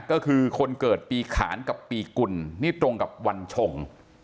ก็คือคนเกิดปีขานกับปีกุลนี่ตรงกับวันชง